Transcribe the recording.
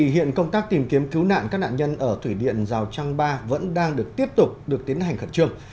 hiện công tác tìm kiếm cứu nạn các nạn nhân ở thủy điện giao trang ba vẫn đang được tiếp tục được tiến hành khẩn trường